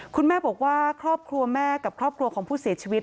คุณแม่บอกว่าครอบครัวแม่กับครอบครัวของผู้เสียชีวิต